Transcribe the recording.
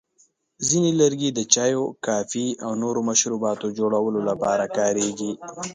ځینې لرګي د چایو، کافي، او نورو مشروباتو جوړولو لپاره کارېږي.